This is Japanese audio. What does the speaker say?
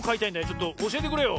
ちょっとおしえてくれよ。